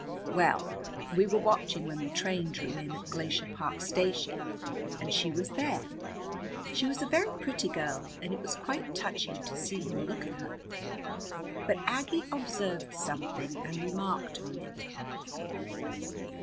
Well, we were watching when the train drew in at Glacier Park Station, and she was there. She was a very pretty girl, and it was quite touching to see him look at her. But Aggie observed something and remarked on it.